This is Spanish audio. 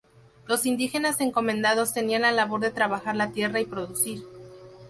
Los indígenas encomendados tenían la labor de trabajar la tierra y producir.